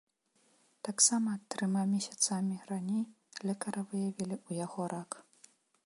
Таксама трыма месяцамі раней лекары выявілі ў яго рак.